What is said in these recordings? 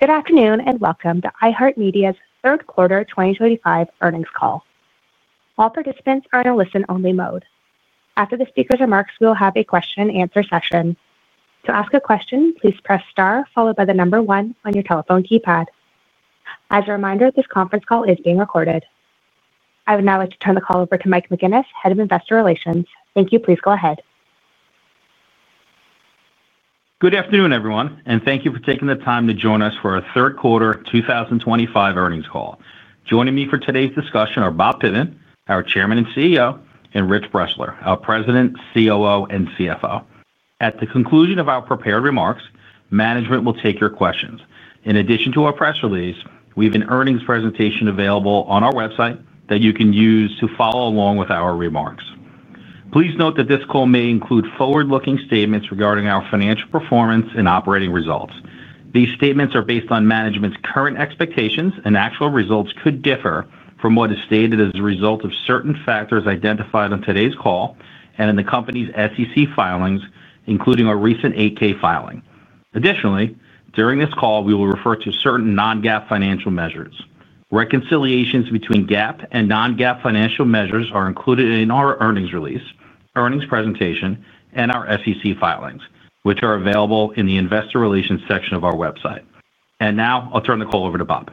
Good afternoon and welcome to iHeartMedia's Third Quarter 2025 Earnings Call. All participants are in a listen-only mode. After the speaker's remarks, we will have a question-and-answer session. To ask a question, please press star followed by the number one on your telephone keypad. As a reminder, this conference call is being recorded. I would now like to turn the call over to Mike McGuinness, Head of Investor Relations. Thank you. Please go ahead. Good afternoon, everyone, and thank you for taking the time to join us for our Third Quarter 2025 Earnings Call. Joining me for today's discussion are Bob Pittman, our Chairman and CEO, and Rich Bressler, our President, COO, and CFO. At the conclusion of our prepared remarks, management will take your questions. In addition to our press release, we have an earnings presentation available on our website that you can use to follow along with our remarks. Please note that this call may include forward-looking statements regarding our financial performance and operating results. These statements are based on management's current expectations, and actual results could differ from what is stated as a result of certain factors identified on today's call and in the company's SEC filings, including a recent 8-K filing. Additionally, during this call, we will refer to certain non-GAAP financial measures. Reconciliations between GAAP and non-GAAP financial measures are included in our earnings release, earnings presentation, and our SEC filings, which are available in the Investor Relations section of our website. I will turn the call over to Bob.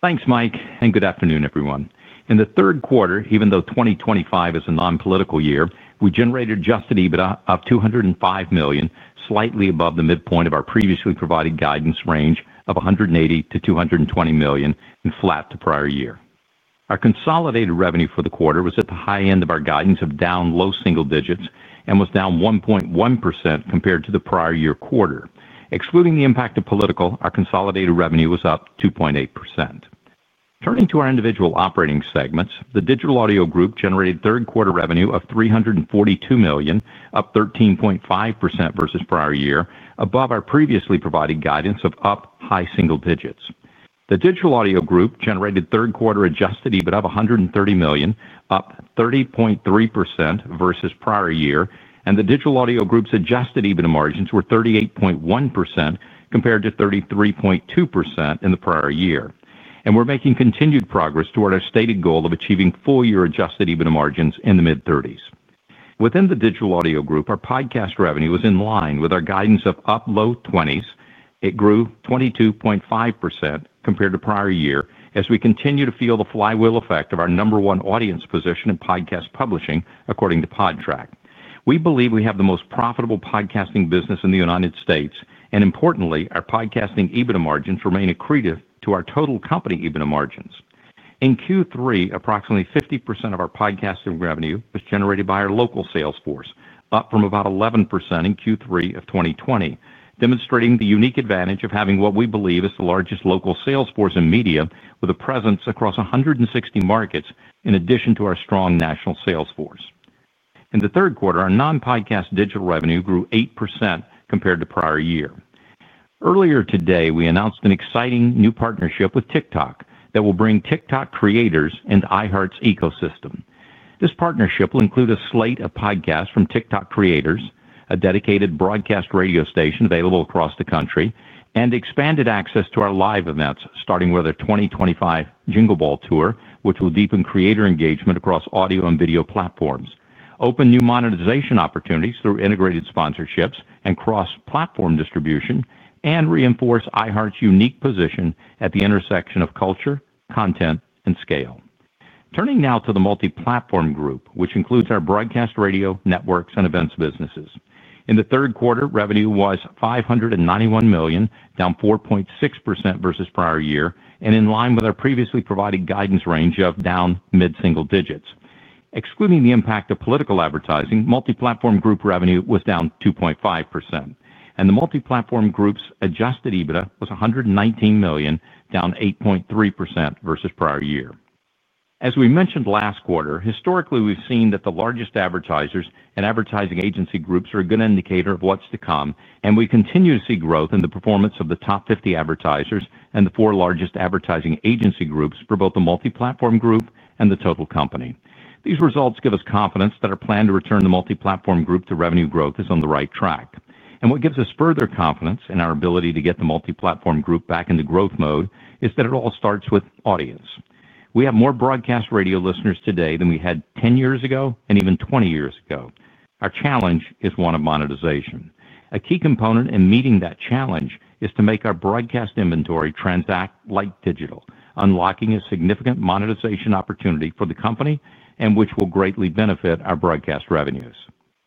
Thanks, Mike, and good afternoon, everyone. In the third quarter, even though 2025 is a non-political year, we generated just an EBITDA of $205 million, slightly above the midpoint of our previously provided guidance range of $180-$220 million and flat to prior year. Our consolidated revenue for the quarter was at the high end of our guidance of down low single digits and was down 1.1% compared to the prior year quarter. Excluding the impact of political, our consolidated revenue was up 2.8%. Turning to our individual operating segments, the Digital Audio Group generated third-quarter revenue of $342 million, up 13.5% versus prior year, above our previously provided guidance of up high single digits. The Digital Audio Group generated third-quarter Adjusted EBITDA of $130 million, up 30.3% versus prior year, and the Digital Audio Group's Adjusted EBITDA margins were 38.1% compared to 33.2% in the prior year. We are making continued progress toward our stated goal of achieving full-year Adjusted EBITDA margins in the mid-30s. Within the Digital Audio Group, our podcast revenue was in line with our guidance of up low 20s. It grew 22.5% compared to prior year as we continue to feel the flywheel effect of our number one audience position in podcast publishing, according to Podtrac. We believe we have the most profitable podcasting business in the United States, and importantly, our podcasting EBITDA margins remain accretive to our total company EBITDA margins. In Q3, approximately 50% of our podcasting revenue was generated by our local sales force, up from about 11% in Q3 of 2020, demonstrating the unique advantage of having what we believe is the largest local sales force in media with a presence across 160 markets in addition to our strong national sales force. In the third quarter, our non-podcast digital revenue grew 8% compared to prior year. Earlier today, we announced an exciting new partnership with TikTok that will bring TikTok creators into iHeart's ecosystem. This partnership will include a slate of podcasts from TikTok creators, a dedicated broadcast radio station available across the country, and expanded access to our live events starting with our 2025 Jingle Ball Tour, which will deepen creator engagement across audio and video platforms, open new monetization opportunities through integrated sponsorships and cross-platform distribution, and reinforce iHeart's unique position at the intersection of culture, content, and scale. Turning now to the multi-platform group, which includes our broadcast radio networks and events businesses. In the third quarter, revenue was $591 million, down 4.6% versus prior year, and in line with our previously provided guidance range of down mid-single digits. Excluding the impact of political advertising, multi-platform group revenue was down 2.5%. The multi-platform group's Adjusted EBITDA was $119 million, down 8.3% versus prior year. As we mentioned last quarter, historically, we've seen that the largest advertisers and advertising agency groups are a good indicator of what's to come, and we continue to see growth in the performance of the top 50 advertisers and the four largest advertising agency groups for both the multi-platform group and the total company. These results give us confidence that our plan to return the multi-platform group to revenue growth is on the right track. What gives us further confidence in our ability to get the multi-platform group back into growth mode is that it all starts with audience. We have more broadcast radio listeners today than we had 10 years ago and even 20 years ago. Our challenge is one of monetization. A key component in meeting that challenge is to make our broadcast inventory transact like digital, unlocking a significant monetization opportunity for the company and which will greatly benefit our broadcast revenues.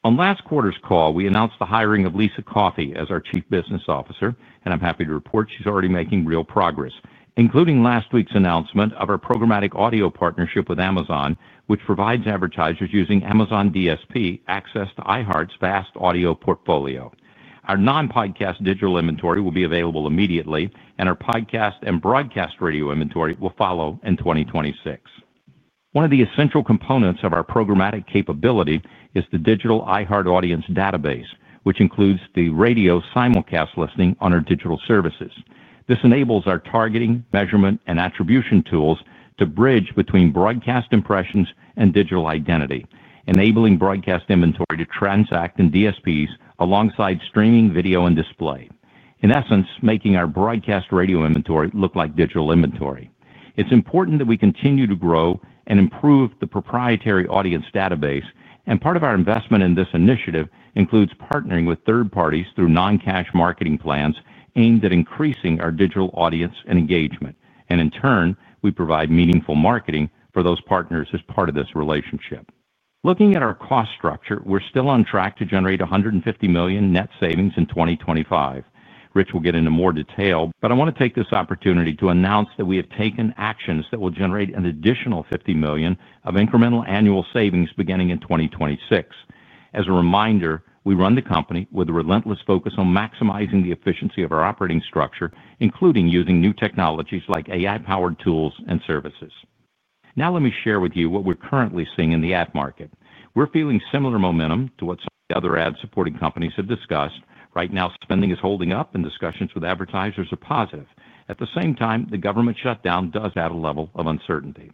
On last quarter's call, we announced the hiring of Lisa Coffey as our Chief Business Officer, and I'm happy to report she's already making real progress, including last week's announcement of our programmatic audio partnership with Amazon, which provides advertisers using Amazon DSP access to iHeart's vast audio portfolio. Our non-podcast digital inventory will be available immediately, and our podcast and broadcast radio inventory will follow in 2026. One of the essential components of our programmatic capability is the digital iHeart audience database, which includes the radio simulcast listening on our digital services. This enables our targeting, measurement, and attribution tools to bridge between broadcast impressions and digital identity, enabling broadcast inventory to transact in DSPs alongside streaming video and display, in essence making our broadcast radio inventory look like digital inventory. It is important that we continue to grow and improve the proprietary audience database, and part of our investment in this initiative includes partnering with third parties through non-cash marketing plans aimed at increasing our digital audience and engagement. In turn, we provide meaningful marketing for those partners as part of this relationship. Looking at our cost structure, we are still on track to generate $150 million net savings in 2025. Rich will get into more detail, but I want to take this opportunity to announce that we have taken actions that will generate an additional $50 million of incremental annual savings beginning in 2026. As a reminder, we run the company with a relentless focus on maximizing the efficiency of our operating structure, including using new technologies like AI-powered tools and services. Now, let me share with you what we're currently seeing in the ad market. We're feeling similar momentum to what some of the other ad-supporting companies have discussed. Right now, spending is holding up, and discussions with advertisers are positive. At the same time, the government shutdown does add a level of uncertainty.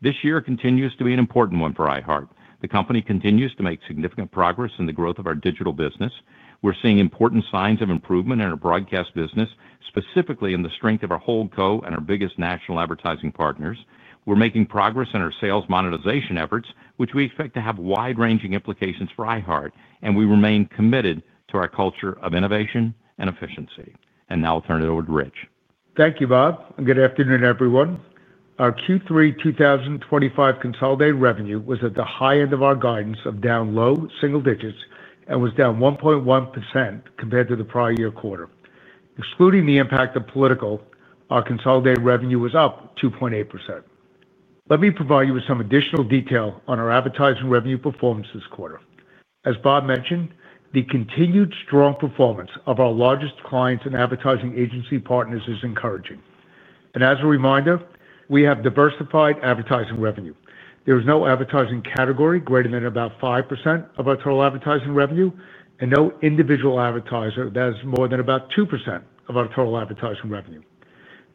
This year continues to be an important one for iHeartMedia. The company continues to make significant progress in the growth of our digital business. We're seeing important signs of improvement in our broadcast business, specifically in the strength of our whole co and our biggest national advertising partners. We're making progress in our sales monetization efforts, which we expect to have wide-ranging implications for iHeartMedia, and we remain committed to our culture of innovation and efficiency. Now I'll turn it over to Rich. Thank you, Bob. And good afternoon, everyone. Our Q3 2025 consolidated revenue was at the high end of our guidance of down low single digits and was down 1.1% compared to the prior year quarter. Excluding the impact of political, our consolidated revenue was up 2.8%. Let me provide you with some additional detail on our advertising revenue performance this quarter. As Bob mentioned, the continued strong performance of our largest clients and advertising agency partners is encouraging. And as a reminder, we have diversified advertising revenue. There is no advertising category greater than about 5% of our total advertising revenue, and no individual advertiser that is more than about 2% of our total advertising revenue.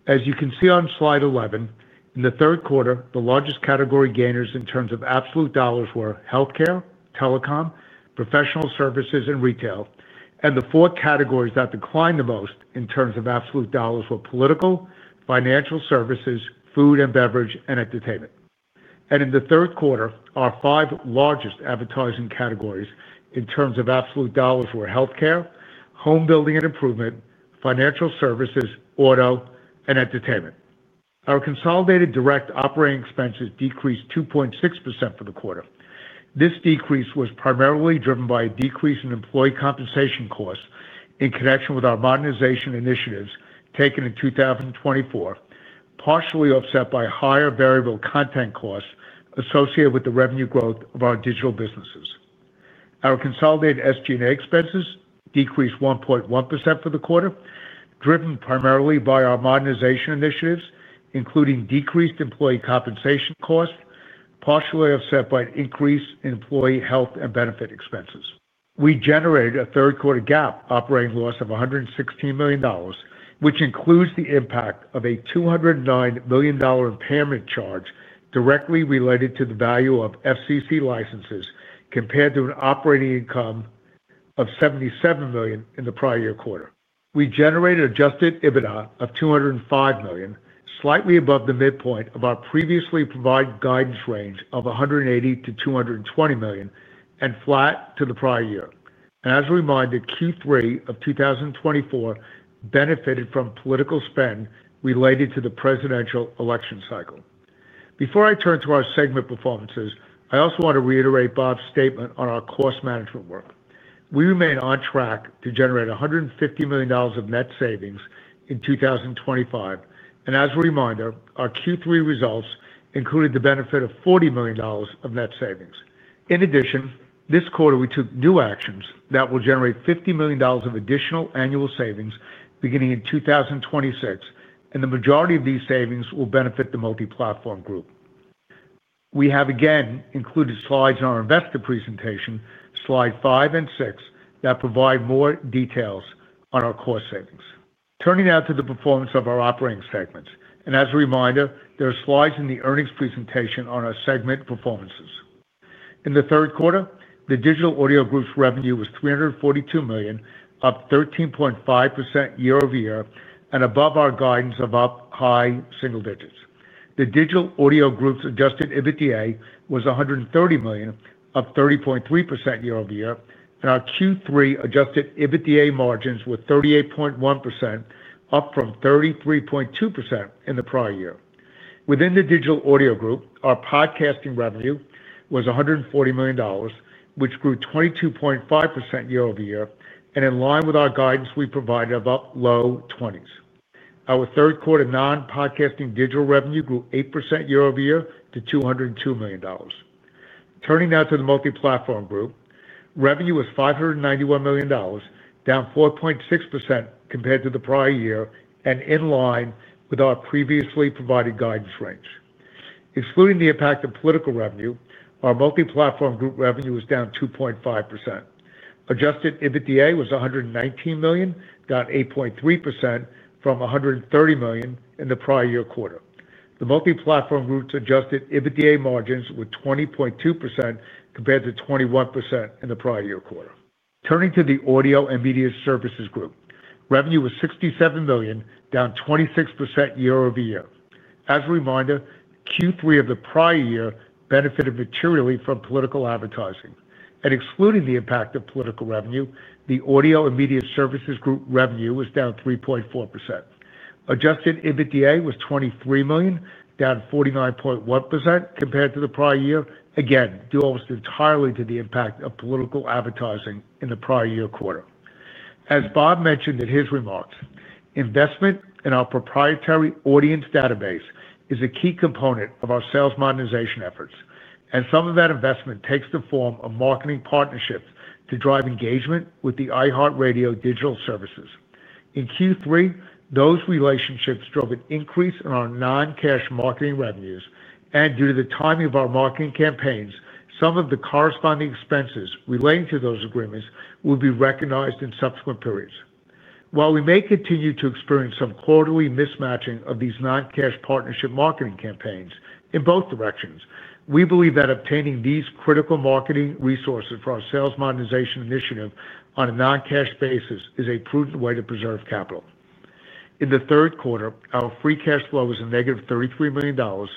As you can see on slide 11, in the third quarter, the largest category gainers in terms of absolute dollars were healthcare, telecom, professional services, and retail. The four categories that declined the most in terms of absolute dollars were political, financial services, food and beverage, and entertainment. In the third quarter, our five largest advertising categories in terms of absolute dollars were healthcare, home building and improvement, financial services, auto, and entertainment. Our consolidated direct operating expenses decreased 2.6% for the quarter. This decrease was primarily driven by a decrease in employee compensation costs in connection with our modernization initiatives taken in 2024, partially offset by higher variable content costs associated with the revenue growth of our digital businesses. Our consolidated SG&A expenses decreased 1.1% for the quarter, driven primarily by our modernization initiatives, including decreased employee compensation costs, partially offset by increased employee health and benefit expenses. We generated a third-quarter GAAP operating loss of $116 million, which includes the impact of a $209 million impairment charge directly related to the value of FCC licenses compared to an operating income of $77 million in the prior year quarter. We generated Adjusted EBITDA of $205 million, slightly above the midpoint of our previously provided guidance range of $180-$220 million, and flat to the prior year. As a reminder, Q3 of 2024 benefited from political spend related to the presidential election cycle. Before I turn to our segment performances, I also want to reiterate Bob's statement on our cost management work. We remain on track to generate $150 million of net savings in 2025. As a reminder, our Q3 results included the benefit of $40 million of net savings. In addition, this quarter, we took new actions that will generate $50 million of additional annual savings beginning in 2026, and the majority of these savings will benefit the Multi-Platform Group. We have again included slides in our investor presentation, slide 5 and 6, that provide more details on our cost savings. Turning now to the performance of our operating segments. As a reminder, there are slides in the earnings presentation on our segment performances. In the third quarter, the Digital Audio Group's revenue was $342 million, up 13.5% year-over-year, and above our guidance of up high single digits. The Digital Audio Group's Adjusted EBITDA was $130 million, up 30.3% year over year, and our Q3 Adjusted EBITDA margins were 38.1%, up from 33.2% in the prior year. Within the Digital Audio Group, our podcasting revenue was $140 million, which grew 22.5% year over year, and in line with our guidance, we provided about low 20s. Our third quarter non-podcasting digital revenue grew 8% year-over-year to $202 million. Turning now to the Multi-Platform Group, revenue was $591 million, down 4.6% compared to the prior year, and in line with our previously provided guidance range. Excluding the impact of political revenue, our Multi-Platform Group revenue was down 2.5%. Adjusted EBITDA was $119 million, down 8.3% from $130 million in the prior year quarter. The Multi-Platform Group's Adjusted EBITDA margins were 20.2% compared to 21% in the prior year quarter. Turning to the Audio and Media Services Group, revenue was $67 million, down 26% year over year. As a reminder, Q3 of the prior year benefited materially from political advertising. Excluding the impact of political revenue, the audio and media services group revenue was down 3.4%. Adjusted EBITDA was $23 million, down 49.1% compared to the prior year. Again, due almost entirely to the impact of political advertising in the prior year quarter. As Bob mentioned in his remarks, investment in our proprietary audience database is a key component of our sales modernization efforts. Some of that investment takes the form of marketing partnerships to drive engagement with the iHeartRadio digital services. In Q3, those relationships drove an increase in our non-cash marketing revenues, and due to the timing of our marketing campaigns, some of the corresponding expenses relating to those agreements will be recognized in subsequent periods. While we may continue to experience some quarterly mismatching of these non-cash partnership marketing campaigns in both directions, we believe that obtaining these critical marketing resources for our sales modernization initiative on a non-cash basis is a prudent way to preserve capital. In the third quarter, our Free cash flow was a negative $33 million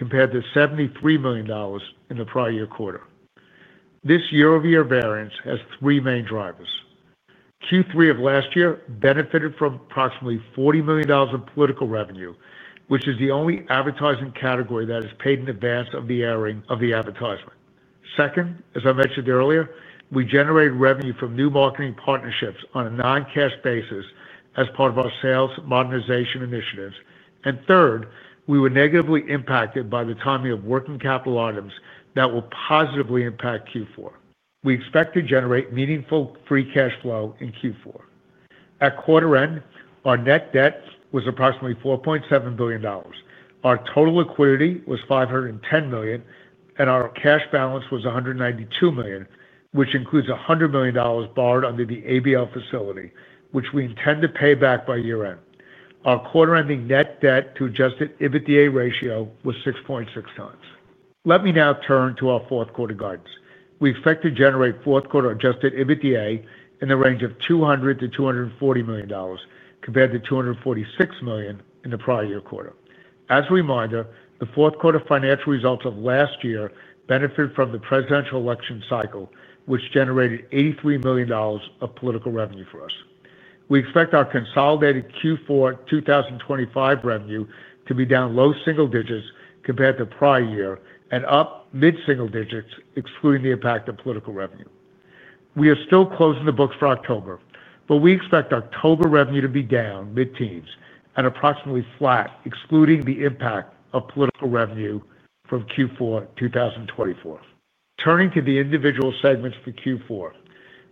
compared to $73 million in the prior year quarter. This year-over-year variance has three main drivers. Q3 of last year benefited from approximately $40 million of political revenue, which is the only advertising category that is paid in advance of the airing of the advertisement. Second, as I mentioned earlier, we generated revenue from new marketing partnerships on a non-cash basis as part of our sales modernization initiatives. Third, we were negatively impacted by the timing of working capital items that will positively impact Q4. We expect to generate meaningful Free cash flow in Q4. At quarter end, our net debt was approximately $4.7 billion. Our total liquidity was $510 million, and our cash balance was $192 million, which includes $100 million borrowed under the ABL facility, which we intend to pay back by year-end. Our quarter-ending net debt to Adjusted EBITDA ratio was 6.6 times. Let me now turn to our fourth quarter guidance. We expect to generate fourth quarter Adjusted EBITDA in the range of $200-$240 million compared to $246 million in the prior year quarter. As a reminder, the fourth quarter financial results of last year benefited from the presidential election cycle, which generated $83 million of political revenue for us. We expect our consolidated Q4 2025 revenue to be down low single digits compared to prior year and up mid-single digits, excluding the impact of political revenue. We are still closing the books for October, but we expect October revenue to be down mid-teens and approximately flat, excluding the impact of political revenue from Q4 2024. Turning to the individual segments for Q4,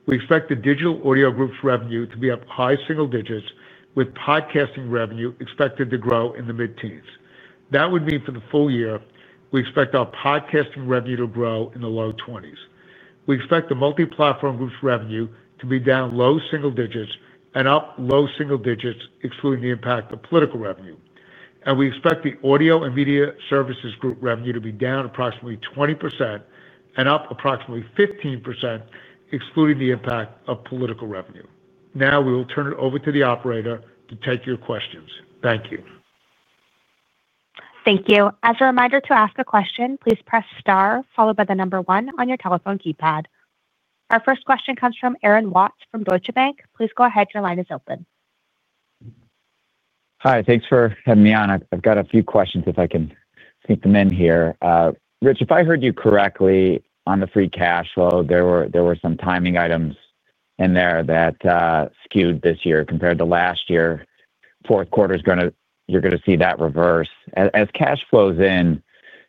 we expect the Digital Audio Group's revenue to be up high single digits, with podcasting revenue expected to grow in the mid-teens. That would mean for the full year, we expect our podcasting revenue to grow in the low 20s. We expect the Multi-Platform Group's revenue to be down low single digits and up low single digits, excluding the impact of political revenue. We expect the Audio and Media Services Group revenue to be down approximately 20% and up approximately 15%, excluding the impact of political revenue. Now, we will turn it over to the operator to take your questions. Thank you. Thank you. As a reminder to ask a question, please press star followed by the number one on your telephone keypad. Our first question comes from Aaron Watts from Deutsche Bank. Please go ahead. Your line is open. Hi. Thanks for having me on. I've got a few questions if I can sneak them in here. Rich, if I heard you correctly, on the Free cash flow, there were some timing items in there that skewed this year compared to last year. Fourth quarter, you're going to see that reverse. As cash flows in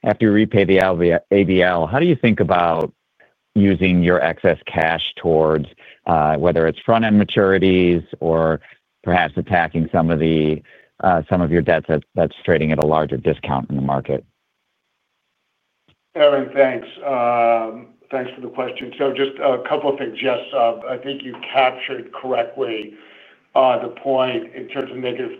after you repay the ABL, how do you think about using your excess cash towards whether it's front-end maturities or perhaps attacking some of your debts that's trading at a larger discount in the market? Aaron, thanks. Thanks for the question. So just a couple of things. Yes, I think you captured correctly the point in terms of negative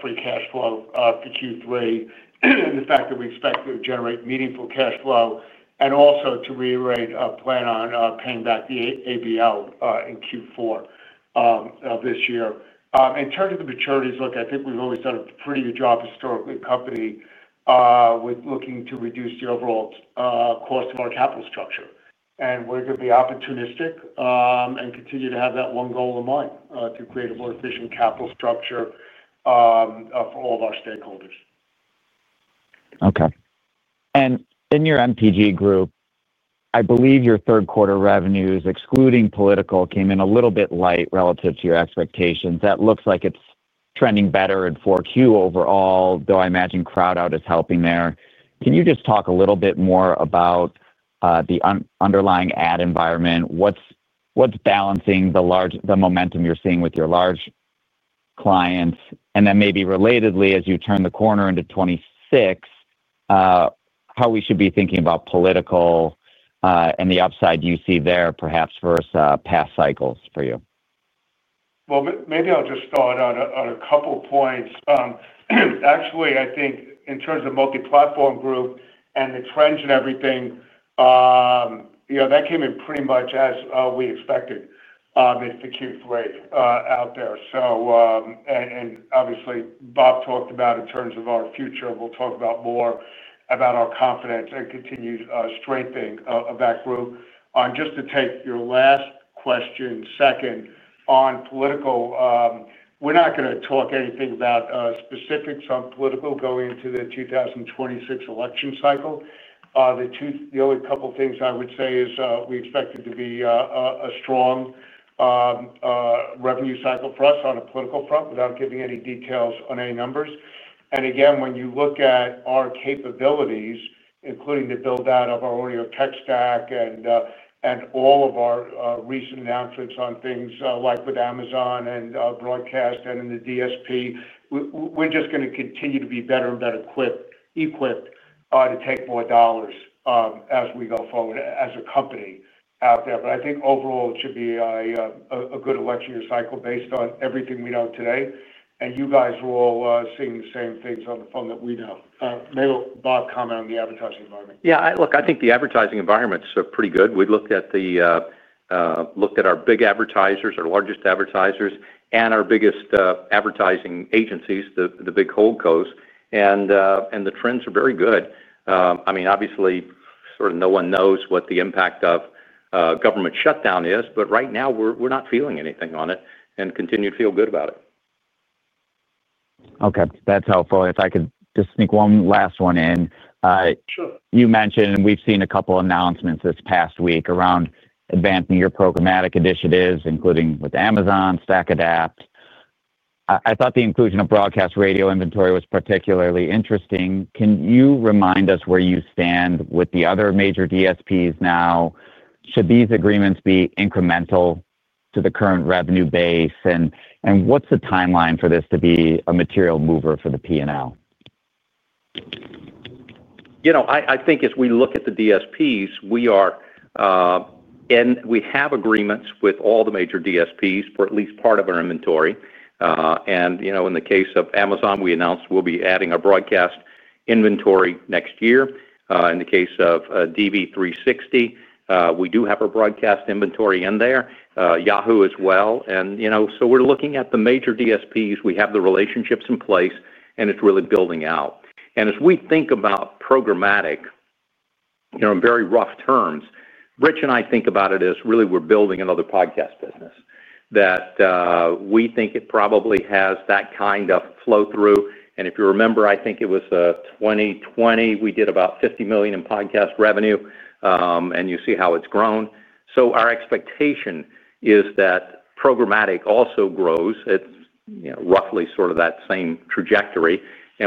Free cash flow for Q3 and the fact that we expect to generate meaningful cash flow and also to reiterate a plan on paying back the ABL in Q4 of this year. In terms of the maturities, look, I think we've always done a pretty good job historically at the company with looking to reduce the overall cost of our capital structure. And we're going to be opportunistic and continue to have that one goal in mind to create a more efficient capital structure for all of our stakeholders. Okay. In your MPG group, I believe your third quarter revenues, excluding political, came in a little bit light relative to your expectations. That looks like it is trending better in Q4 overall, though I imagine CrowdOut is helping there. Can you just talk a little bit more about the underlying ad environment? What is balancing the momentum you are seeing with your large clients? Maybe relatedly, as you turn the corner into 2026, how we should be thinking about political and the upside you see there perhaps versus past cycles for you? Maybe I'll just start on a couple of points. Actually, I think in terms of multi-platform group and the trends and everything, that came in pretty much as we expected for Q3 out there. Obviously, Bob talked about in terms of our future, we'll talk more about our confidence and continued strengthening of that group. Just to take your last question second on political, we're not going to talk anything about specifics on political going into the 2026 election cycle. The only couple of things I would say is we expect it to be a strong revenue cycle for us on a political front without giving any details on any numbers. When you look at our capabilities, including the build-out of our audio tech stack and all of our recent announcements on things like with Amazon and Broadcast and in the DSP, we are just going to continue to be better and better equipped to take more dollars as we go forward as a company out there. I think overall, it should be a good election year cycle based on everything we know today. You guys are all seeing the same things on the phone that we know. Maybe Bob, comment on the advertising environment. Yeah. Look, I think the advertising environment's pretty good. We looked at our big advertisers, our largest advertisers, and our biggest advertising agencies, the big coasts. And the trends are very good. I mean, obviously, sort of no one knows what the impact of government shutdown is, but right now, we're not feeling anything on it and continue to feel good about it. Okay. That's helpful. If I could just sneak one last one in. Sure. You mentioned we've seen a couple of announcements this past week around advancing your programmatic initiatives, including with Amazon, StackAdapt. I thought the inclusion of broadcast radio inventory was particularly interesting. Can you remind us where you stand with the other major DSPs now? Should these agreements be incremental to the current revenue base? What's the timeline for this to be a material mover for the P&L? I think as we look at the DSPs, we have agreements with all the major DSPs for at least part of our inventory. In the case of Amazon, we announced we will be adding a broadcast inventory next year. In the case of DV360, we do have our broadcast inventory in there. Yahoo as well. We are looking at the major DSPs. We have the relationships in place, and it is really building out. As we think about programmatic in very rough terms, Rich and I think about it as really we are building another podcast business that we think probably has that kind of flow through. If you remember, I think it was 2020, we did about $50 million in podcast revenue, and you see how it has grown. Our expectation is that programmatic also grows. It is roughly sort of that same trajectory.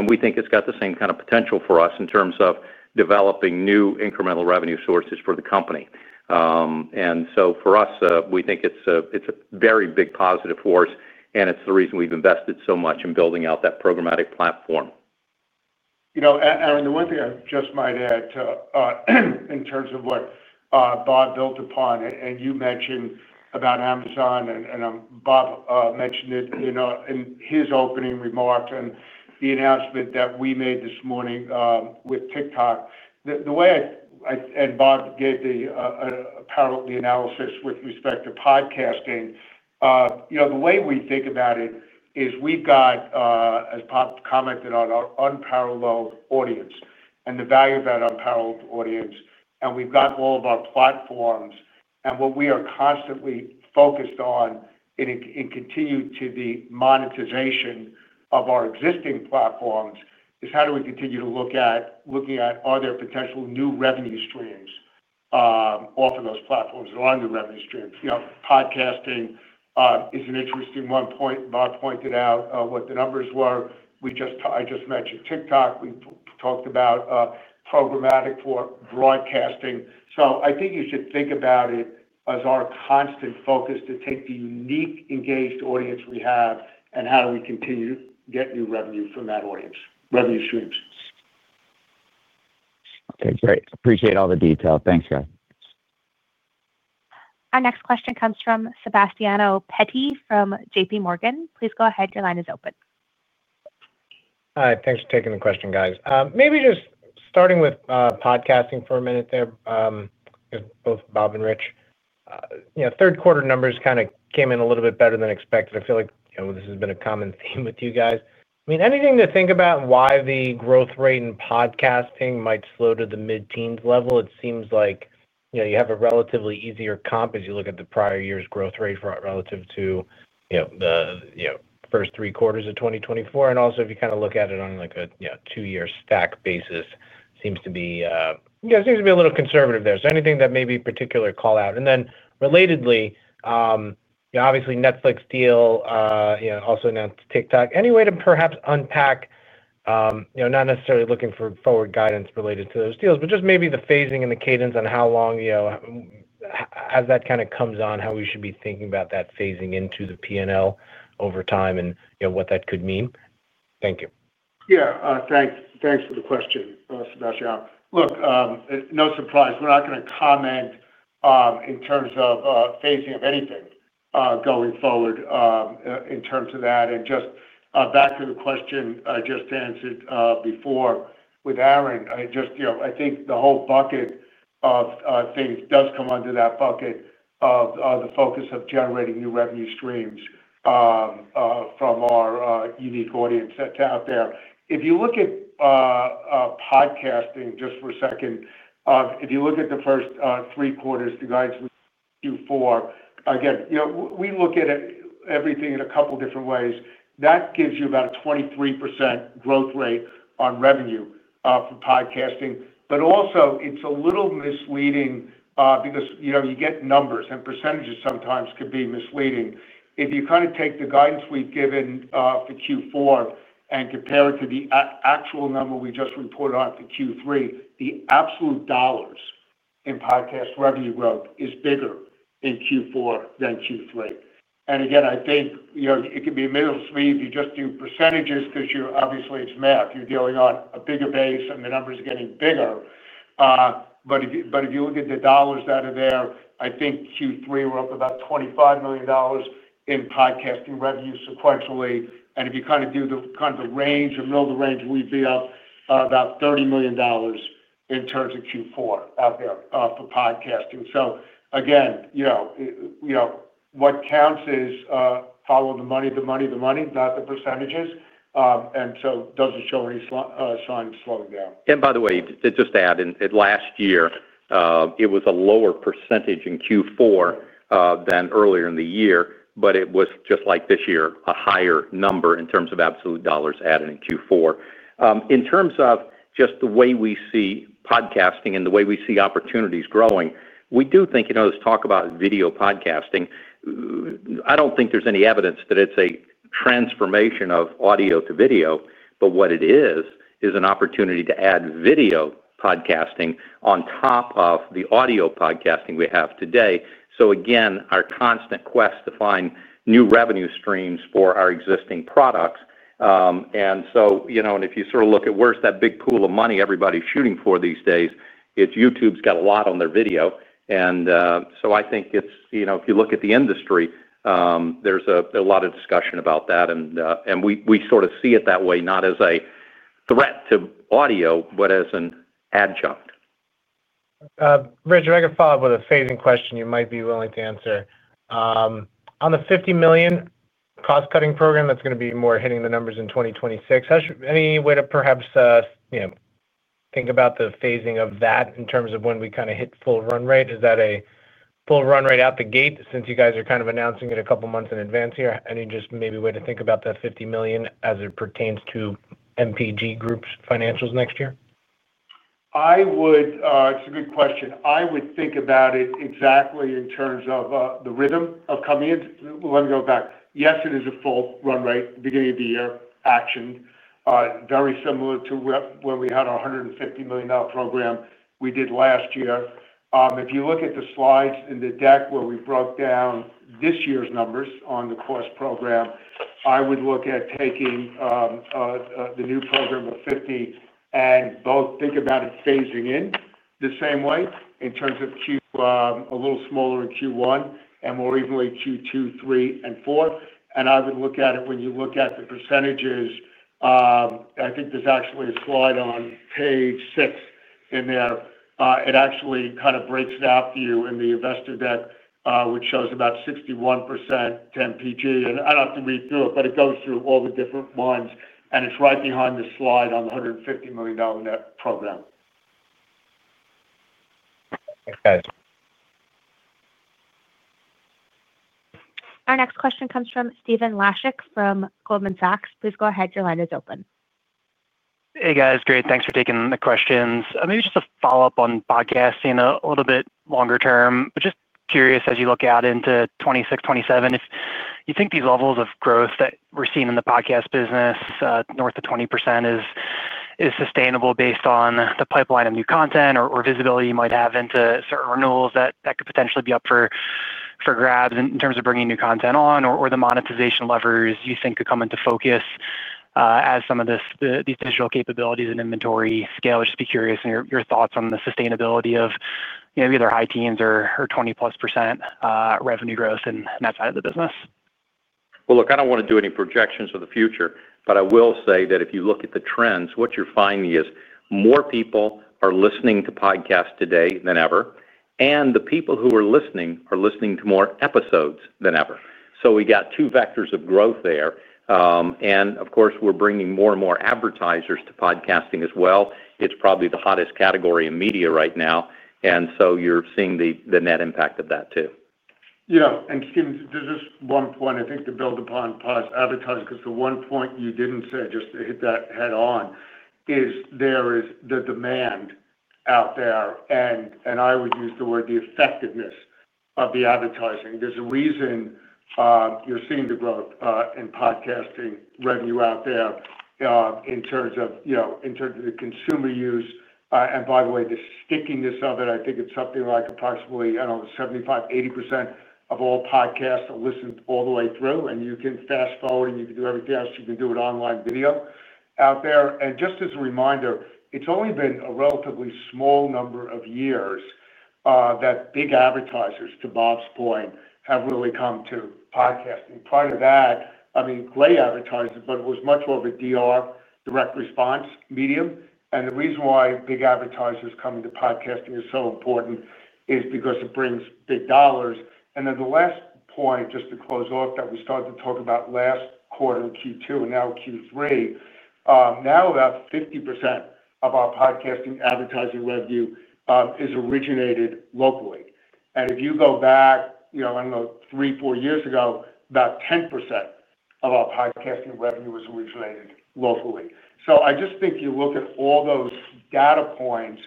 We think it's got the same kind of potential for us in terms of developing new incremental revenue sources for the company. For us, we think it's a very big positive force, and it's the reason we've invested so much in building out that programmatic platform. Aaron, the one thing I just might add in terms of what Bob built upon, and you mentioned about Amazon, and Bob mentioned it in his opening remark and the announcement that we made this morning with TikTok. Bob gave the analysis with respect to podcasting. The way we think about it is we've got, as Bob commented on, our unparalleled audience and the value of that unparalleled audience. We've got all of our platforms. What we are constantly focused on and continue to, the monetization of our existing platforms, is how do we continue to look at are there potential new revenue streams off of those platforms or on the revenue streams? Podcasting is an interesting one point. Bob pointed out what the numbers were. I just mentioned TikTok. We talked about programmatic for broadcasting. I think you should think about it as our constant focus to take the unique engaged audience we have and how do we continue to get new revenue from that audience, revenue streams. Okay. Great. Appreciate all the detail. Thanks, guys. Our next question comes from Sebastiano Petty from JPMorgan. Please go ahead. Your line is open. Hi. Thanks for taking the question, guys. Maybe just starting with podcasting for a minute there, both Bob and Rich. Third quarter numbers kind of came in a little bit better than expected. I feel like this has been a common theme with you guys. I mean, anything to think about why the growth rate in podcasting might slow to the mid-teens level? It seems like you have a relatively easier comp as you look at the prior year's growth rate relative to the first three quarters of 2024. Also, if you kind of look at it on a two-year stack basis, it seems to be a little conservative there. Anything that may be a particular call-out? Then relatedly, obviously, Netflix deal, also now TikTok. Any way to perhaps unpack, not necessarily looking for forward guidance related to those deals, but just maybe the phasing and the cadence on how long as that kind of comes on, how we should be thinking about that phasing into the P&L over time and what that could mean? Thank you. Yeah. Thanks for the question, Sebastiano. Look, no surprise. We're not going to comment in terms of phasing of anything going forward in terms of that. Just back to the question I just answered before with Aaron, I think the whole bucket of things does come under that bucket of the focus of generating new revenue streams from our unique audience that's out there. If you look at podcasting just for a second, if you look at the first three quarters, the guidance we do for, again, we look at everything in a couple of different ways. That gives you about a 23% growth rate on revenue for podcasting. Also, it's a little misleading because you get numbers, and percentages sometimes could be misleading. If you kind of take the guidance we've given for Q4 and compare it to the actual number we just reported on for Q3, the absolute dollars in podcast revenue growth is bigger in Q4 than Q3. Again, I think it could be a middle of sweet if you just do percentages because obviously, it's math. You're dealing on a bigger base, and the numbers are getting bigger. If you look at the dollars that are there, I think Q3, we're up about $25 million in podcasting revenue sequentially. If you kind of do the kind of the range or middle of the range, we'd be up about $30 million in terms of Q4 out there for podcasting. What counts is follow the money, the money, the money, not the percentages. It doesn't show any sign of slowing down. By the way, just to add, last year, it was a lower percentage in Q4 than earlier in the year, but it was just like this year, a higher number in terms of absolute dollars added in Q4. In terms of just the way we see podcasting and the way we see opportunities growing, we do think there's talk about video podcasting. I don't think there's any evidence that it's a transformation of audio to video, but what it is, is an opportunity to add video podcasting on top of the audio podcasting we have today. Again, our constant quest to find new revenue streams for our existing products. If you sort of look at where's that big pool of money everybody's shooting for these days, it's YouTube's got a lot on their video. I think if you look at the industry, there's a lot of discussion about that. We sort of see it that way, not as a threat to audio, but as an adjunct. Rich, I've got a follow-up with a phasing question you might be willing to answer. On the $50 million cost-cutting program, that's going to be more hitting the numbers in 2026. Any way to perhaps think about the phasing of that in terms of when we kind of hit full run rate? Is that a full run rate out the gate since you guys are kind of announcing it a couple of months in advance here? Any just maybe way to think about that $50 million as it pertains to MPG Group's financials next year? It's a good question. I would think about it exactly in terms of the rhythm of coming in. Let me go back. Yes, it is a full run rate beginning of the year action, very similar to when we had our $150 million program we did last year. If you look at the slides in the deck where we broke down this year's numbers on the course program, I would look at taking the new program of $50 million and both think about it phasing in the same way in terms of Q1, a little smaller in Q1, and more evenly Q2, 3, and 4. I would look at it when you look at the percentages. I think there's actually a slide on page 6 in there. It actually kind of breaks it out for you in the investor deck, which shows about 61% to MPG. I do not have to read through it, but it goes through all the different ones. It is right behind the slide on the $150 million net program. Okay. Our next question comes from Stephen Laszczyk from Goldman Sachs. Please go ahead. Your line is open. Hey, guys. Great. Thanks for taking the questions. Maybe just a follow-up on podcasting a little bit longer term, but just curious as you look out into 2026, 2027, if you think these levels of growth that we're seeing in the podcast business, north of 20%, is sustainable based on the pipeline of new content or visibility you might have into certain renewals that could potentially be up for grabs in terms of bringing new content on, or the monetization levers you think could come into focus as some of these digital capabilities and inventory scale? I'd just be curious in your thoughts on the sustainability of either high teens or 20-plus % revenue growth in that side of the business. I do not want to do any projections for the future, but I will say that if you look at the trends, what you are finding is more people are listening to podcasts today than ever, and the people who are listening are listening to more episodes than ever. We have two vectors of growth there. Of course, we are bringing more and more advertisers to podcasting as well. It is probably the hottest category in media right now. You are seeing the net impact of that too. Yeah. Stephen, there's just one point I think to build upon pod advertising because the one point you didn't say just to hit that head-on is there is the demand out there. I would use the word the effectiveness of the advertising. There's a reason you're seeing the growth in podcasting revenue out there in terms of the consumer use. By the way, the stickiness of it, I think it's something like approximately 75% to 80% of all podcasts are listened all the way through. You can fast forward, and you can do everything else. You can do it online video out there. Just as a reminder, it's only been a relatively small number of years that big advertisers, to Bob's point, have really come to podcasting. Prior to that, I mean, great advertisers, but it was much more of a DR, direct response medium. The reason why big advertisers coming to podcasting is so important is because it brings big dollars. The last point, just to close off, that we started to talk about last quarter in Q2 and now Q3, now about 50% of our podcasting advertising revenue is originated locally. If you go back, I do not know, three, four years ago, about 10% of our podcasting revenue was originated locally. I just think you look at all those data points.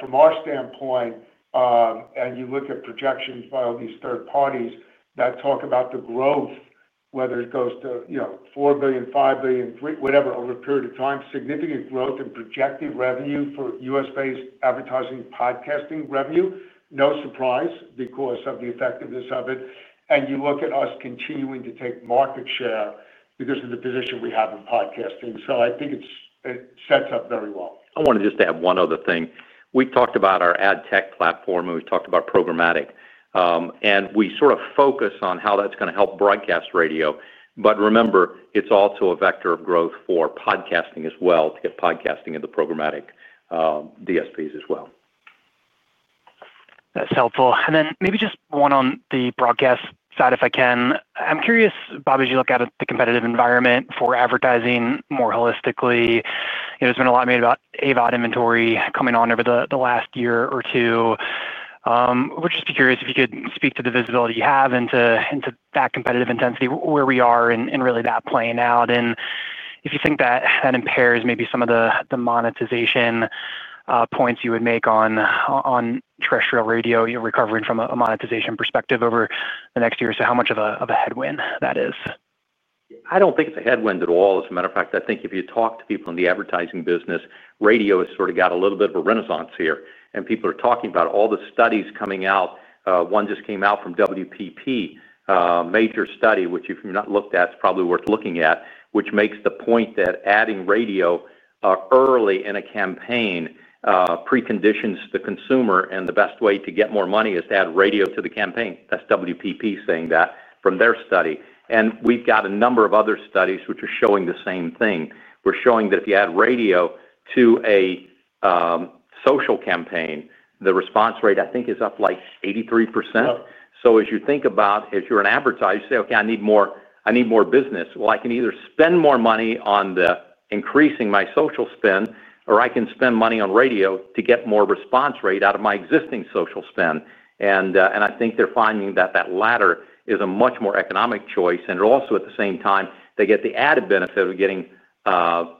From our standpoint, and you look at projections by all these third parties that talk about the growth, whether it goes to $4 billion, $5 billion, whatever, over a period of time, significant growth in projected revenue for U.S. based advertising podcasting revenue, no surprise because of the effectiveness of it. You look at us continuing to take market share because of the position we have in podcasting. I think it sets up very well. I wanted just to add one other thing. We talked about our ad tech platform, and we talked about programmatic. We sort of focus on how that's going to help broadcast radio. Remember, it's also a vector of growth for podcasting as well to get podcasting in the programmatic DSPs as well. That's helpful. Maybe just one on the broadcast side, if I can. I'm curious, Bob, as you look at the competitive environment for advertising more holistically, there's been a lot made about AVOD inventory coming on over the last year or two. I would just be curious if you could speak to the visibility you have into that competitive intensity, where we are in really that playing out. If you think that that impairs maybe some of the monetization points you would make on terrestrial radio, recovering from a monetization perspective over the next year, how much of a headwind that is. I don't think it's a headwind at all. As a matter of fact, I think if you talk to people in the advertising business, radio has sort of got a little bit of a renaissance here. People are talking about all the studies coming out. One just came out from WPP, a major study, which if you've not looked at, it's probably worth looking at, which makes the point that adding radio early in a campaign preconditions the consumer. The best way to get more money is to add radio to the campaign. That's WPP saying that from their study. We've got a number of other studies which are showing the same thing. We're showing that if you add radio to a social campaign, the response rate, I think, is up like 83%. As you think about, if you're an advertiser, you say, "Okay, I need more business." I can either spend more money on increasing my social spend, or I can spend money on radio to get more response rate out of my existing social spend. I think they're finding that that latter is a much more economic choice. Also, at the same time, they get the added benefit of getting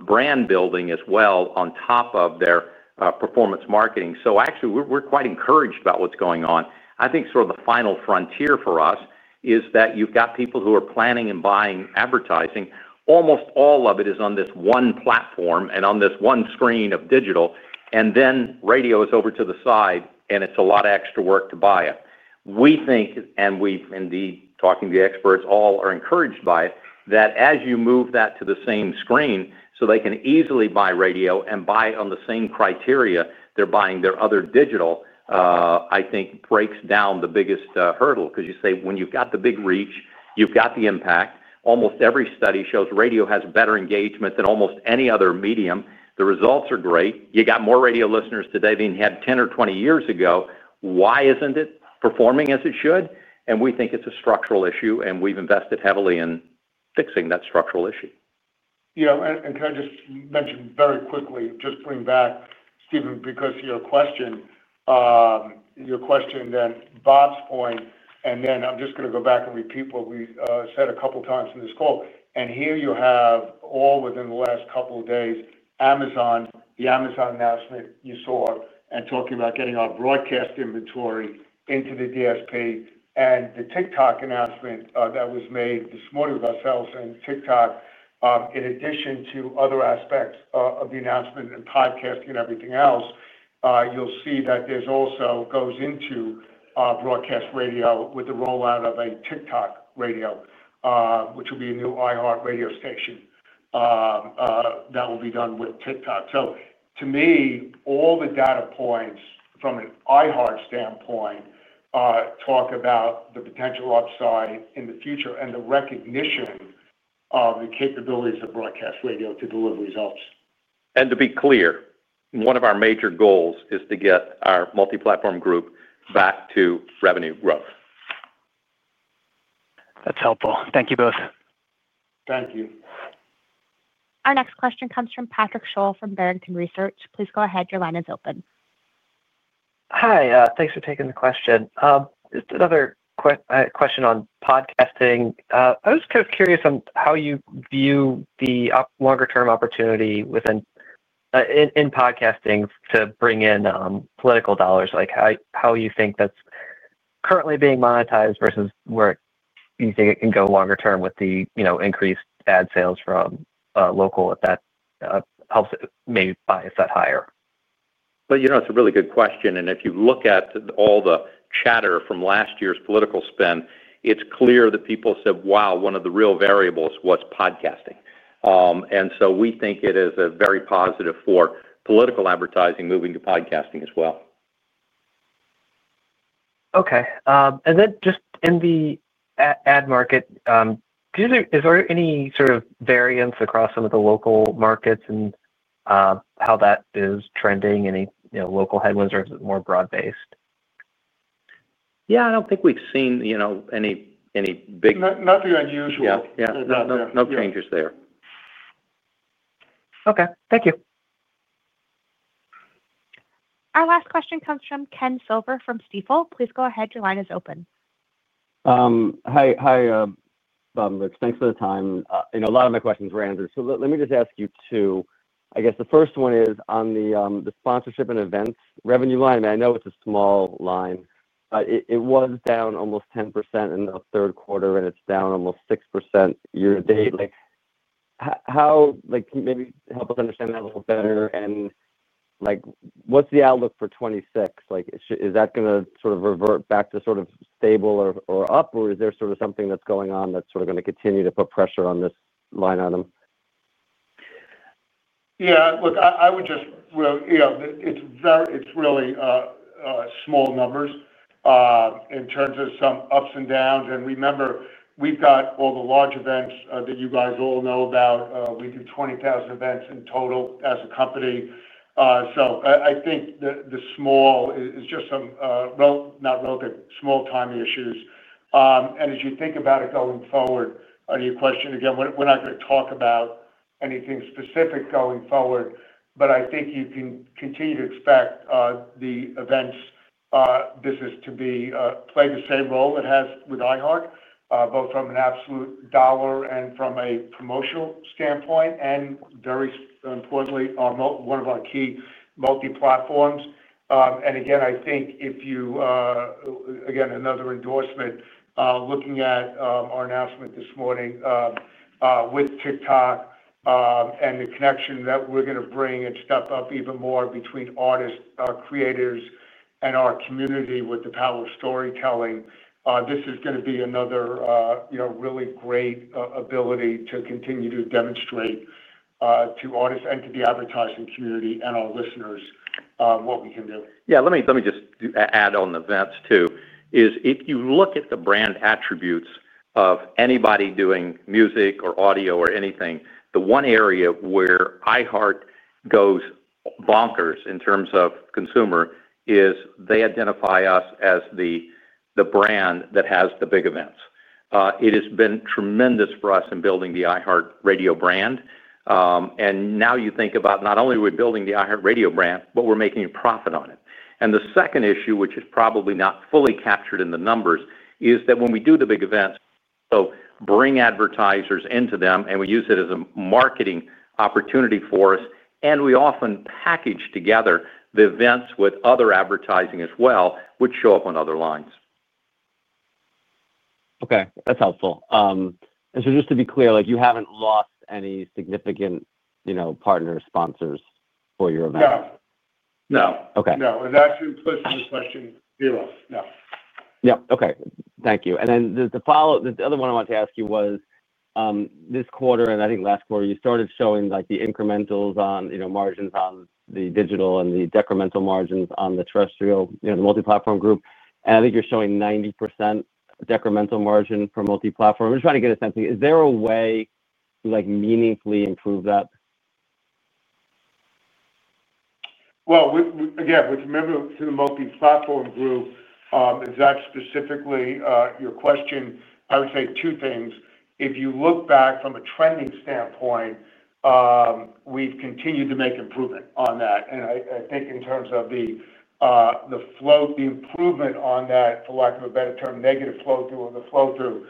brand building as well on top of their performance marketing. Actually, we're quite encouraged about what's going on. I think sort of the final frontier for us is that you've got people who are planning and buying advertising. Almost all of it is on this one platform and on this one screen of digital. Then radio is over to the side, and it's a lot of extra work to buy it. We think, and we've indeed talked to the experts, all are encouraged by it, that as you move that to the same screen so they can easily buy radio and buy on the same criteria they're buying their other digital, I think, breaks down the biggest hurdle because you say when you've got the big reach, you've got the impact. Almost every study shows radio has better engagement than almost any other medium. The results are great. You got more radio listeners today than you had 10 or 20 years ago. Why isn't it performing as it should? We think it's a structural issue, and we've invested heavily in fixing that structural issue. Yeah. Can I just mention very quickly, just to bring back, Stephen, because of your question, your question then Bob's point, and then I'm just going to go back and repeat what we said a couple of times in this call. Here you have all within the last couple of days, Amazon, the Amazon announcement you saw, and talking about getting our broadcast inventory into the DSP, and the TikTok announcement that was made this morning with ourselves and TikTok. In addition to other aspects of the announcement and podcasting and everything else, you'll see that this also goes into broadcast radio with the rollout of a TikTok radio, which will be a new iHeartRadio station that will be done with TikTok. To me, all the data points from an iHeart standpoint talk about the potential upside in the future and the recognition of the capabilities of broadcast radio to deliver results. To be clear, one of our major goals is to get our multi-platform group back to revenue growth. That's helpful. Thank you both. Thank you. Our next question comes from Patrick Scholl from Barrington Research. Please go ahead. Your line is open. Hi. Thanks for taking the question. Just another question on podcasting. I was kind of curious on how you view the longer-term opportunity within podcasting to bring in political dollars, like how you think that's currently being monetized versus where you think it can go longer term with the increased ad sales from local if that helps it maybe by a set higher. It's a really good question. If you look at all the chatter from last year's political spend, it's clear that people said, "Wow, one of the real variables was podcasting." We think it is very positive for political advertising moving to podcasting as well. Okay. In the ad market, is there any sort of variance across some of the local markets and how that is trending? Any local headwinds or is it more broad-based? Yeah. I don't think we've seen any big. Nothing unusual. Yeah. No changes there. Okay. Thank you. Our last question comes from Ken Silver from Stifel. Please go ahead. Your line is open. Hi, Bob and Rich. Thanks for the time. A lot of my questions were answered. Let me just ask you two. I guess the first one is on the sponsorship and events revenue line. I know it's a small line, but it was down almost 10% in the third quarter, and it's down almost 6% year to date. How can you maybe help us understand that a little better? What's the outlook for 2026? Is that going to sort of revert back to sort of stable or up, or is there sort of something that's going on that's sort of going to continue to put pressure on this line item? Yeah. Look, I would just, well, it's really small numbers in terms of some ups and downs. Remember, we've got all the large events that you guys all know about. We do 20,000 events in total as a company. I think the small is just some not real good, small-time issues. As you think about it going forward, your question again, we're not going to talk about anything specific going forward, but I think you can continue to expect the events business to play the same role it has with iHeart, both from an absolute dollar and from a promotional standpoint, and very importantly, one of our key multi-platforms. I think if you, again, another endorsement, looking at our announcement this morning with TikTok and the connection that we're going to bring and step up even more between artists, creators, and our community with the power of storytelling, this is going to be another really great ability to continue to demonstrate to artists and to the advertising community and our listeners what we can do. Yeah. Let me just add on the events too. If you look at the brand attributes of anybody doing music or audio or anything, the one area where iHeart goes bonkers in terms of consumer is they identify us as the brand that has the big events. It has been tremendous for us in building the iHeartRadio brand. Now you think about not only are we building the iHeartRadio brand, but we're making a profit on it. The second issue, which is probably not fully captured in the numbers, is that when we do the big events, bring advertisers into them, and we use it as a marketing opportunity for us. We often package together the events with other advertising as well, which show up on other lines. Okay. That's helpful. And so just to be clear, you haven't lost any significant partners, sponsors for your event? No. No. No. And that's in person, the question zero. No. Yeah. Okay. Thank you. The other one I wanted to ask you was this quarter, and I think last quarter, you started showing the Incrementals on margins on the digital and the decremental margins on the terrestrial, the multi-platform group. I think you're showing 90% decremental margin for multi-platform. I'm just trying to get a sense. Is there a way to meaningfully improve that? Again, with remember to the multi-platform group, that's specifically your question. I would say two things. If you look back from a trending standpoint, we've continued to make improvement on that. I think in terms of the float, the improvement on that, for lack of a better term, negative flow through or the flow through,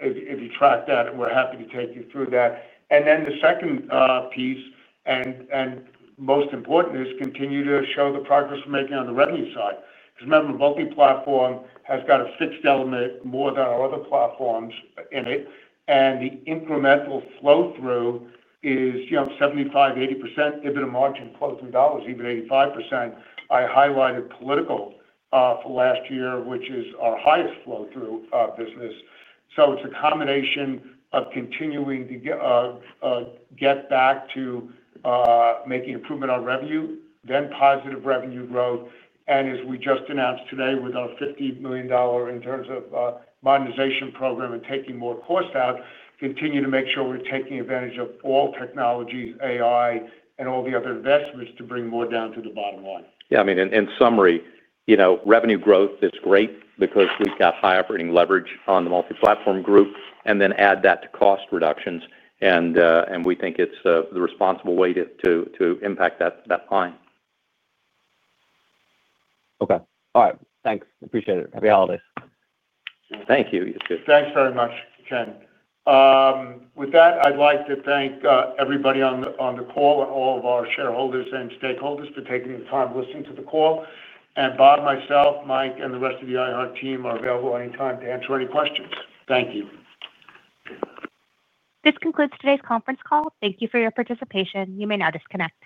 if you track that, we're happy to take you through that. The second piece, and most importantly, is continue to show the progress we're making on the revenue side. Because remember, multi-platform has got a fixed element more than our other platforms in it. The incremental flow through is 75% to 80%, even a margin closing dollars, even 85%. I highlighted political for last year, which is our highest flow through business. It is a combination of continuing to get back to making improvement on revenue, then positive revenue growth. As we just announced today, with our $50 million in terms of modernization program and taking more cost out, continue to make sure we're taking advantage of all technologies, AI, and all the other investments to bring more down to the bottom line. Yeah. I mean, in summary, revenue growth is great because we've got high operating leverage on the multi-platform group, and then add that to cost reductions. We think it's the responsible way to impact that line. Okay. All right. Thanks. Appreciate it. Happy holidays. Thank you. Thanks very much, Ken. With that, I'd like to thank everybody on the call and all of our shareholders and stakeholders for taking the time to listen to the call. Bob, myself, Mike, and the rest of the iHeart team are available anytime to answer any questions. Thank you. This concludes today's conference call. Thank you for your participation. You may now disconnect.